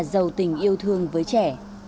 giàu tình yêu thương với trẻ